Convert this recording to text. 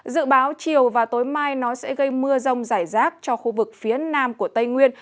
dự báo chiều và tối mai nó sẽ gây mưa rông rải rác cho khu vực phía nam của tây nguyên